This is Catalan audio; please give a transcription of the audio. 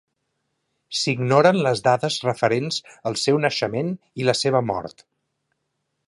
S'ignoren les dades referents al seu naixement i la seva mort.